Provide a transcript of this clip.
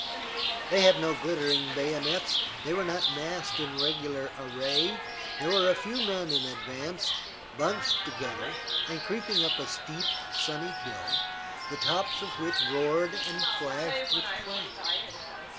They had no glittering bayonets, they were not massed in regular array. There were a few men in advance, bunched together, and creeping up a steep, sunny hill, the tops of which roared and flashed with flame.